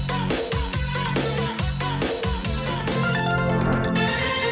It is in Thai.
โปรดติดตามต่อไป